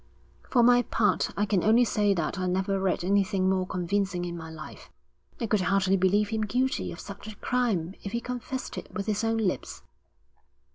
'For my part, I can only say that I never read anything more convincing in my life.' 'I could hardly believe him guilty of such a crime if he confessed it with his own lips.'